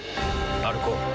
歩こう。